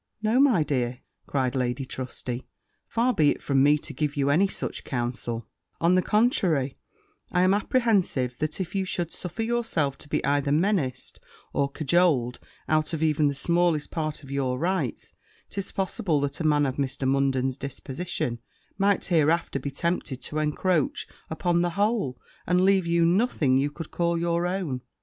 'No, my dear,' cried Lady Trusty; 'far be it from me to give you any such counsel: on the contrary, I am apprehensive that, if you should suffer yourself to be either menaced, or cajoled, out of even the smallest part of your rights, it is possible that a man of Mr. Munden's disposition might hereafter be tempted to encroach upon the whole, and leave you nothing you could call your own.